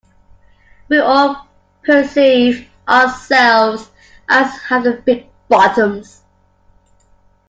We all perceive ourselves as having big bottoms.